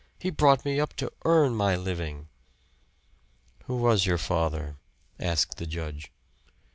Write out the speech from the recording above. He brought me up to earn my living." "Who was your father?" asked the judge.